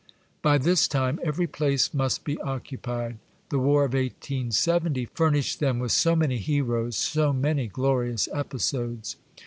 By this time every place must be occupied, — the war of 1870 furnished them with so many heroes, so many glorious episodes.